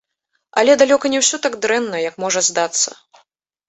Але далёка не ўсё так дрэнна, як можа здацца.